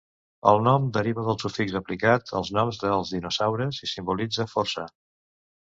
El nom deriva del sufix aplicat als noms dels dinosaures, i simbolitza força.